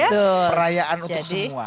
perayaan untuk semua